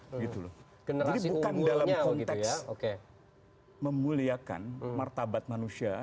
jadi bukan dalam konteks memuliakan martabat manusia